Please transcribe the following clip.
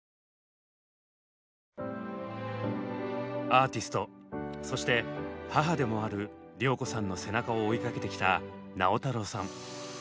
アーティストそして母でもある良子さんの背中を追いかけてきた直太朗さん。